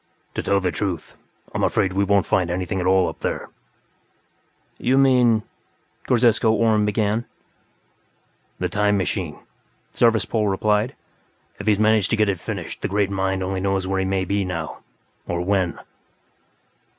"To tell the truth, I'm afraid we won't find anything at all up there." "You mean...?" Ghorzesko Orhm began. "The 'time machine'," Zarvas Pol replied. "If he's managed to get it finished, the Great Mind only knows where he may be, now. Or when."